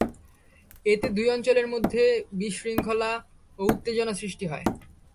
এতে দুই অঞ্চলের মধ্যে বিশৃঙ্খলা ও উত্তেজনা সৃষ্টি হয়।